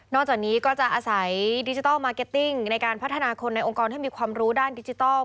จากนี้ก็จะอาศัยดิจิทัลมาร์เก็ตติ้งในการพัฒนาคนในองค์กรให้มีความรู้ด้านดิจิทัล